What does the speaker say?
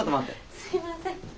すいません。